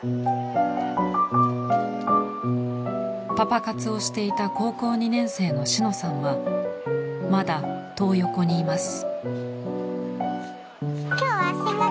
パパ活をしていた高校２年生のシノさんはまだトー横にいます。